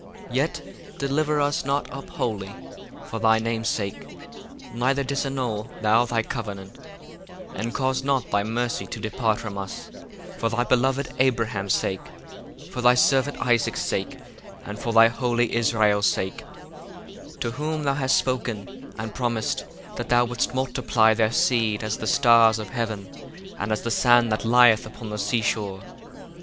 11 Yet deliver us not up wholly, for thy name's sake, neither disannul thou thy covenant: 12 And cause not thy mercy to depart from us, for thy beloved Abraham's sake, for thy servant Isaac's sake, and for thy holy Israel's sake; 13 To whom thou hast spoken and promised, that thou wouldest multiply their seed as the stars of heaven, and as the sand that lieth upon the seashore.